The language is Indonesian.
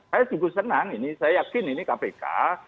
saya cukup senang ini saya yakin ini kpk